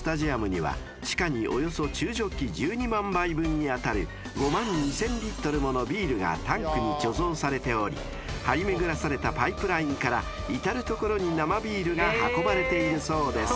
［地下におよそ中ジョッキ１２万杯分に当たる５万２，０００リットルものビールがタンクに貯蔵されており張り巡らされたパイプラインから至る所に生ビールが運ばれているそうです］